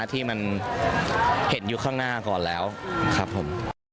ที่มันเห็นอยู่ข้างหน้าก่อนแล้วครับผม